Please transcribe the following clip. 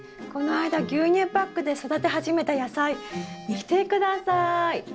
この間牛乳パックで育て始めた野菜見て下さい。